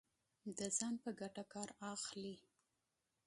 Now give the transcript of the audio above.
د ځان په ګټه کار واخلي